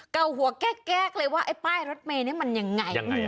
เก่าหัวแก๊กเลยว่าไอ้ป้ายรถเมย์นี่มันยังไง